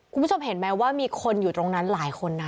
คุณผู้ชมเห็นไหมว่ามีคนอยู่ตรงนั้นหลายคนนะ